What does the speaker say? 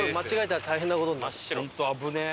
本当危ねえ。